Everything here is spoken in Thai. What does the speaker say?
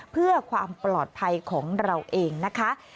เพื่อความปลอดภัยของเราเองนะคะ